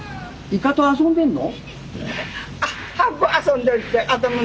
イカと遊んでんの？